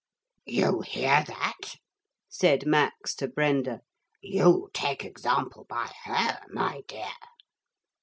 ('You hear that,' said Max to Brenda; 'you take example by her, my dear!')